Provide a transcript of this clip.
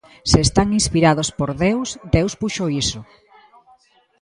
Se están inspirados por Deus, Deus puxo iso.